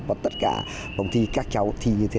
và tất cả phòng thi các cháu thi như thế này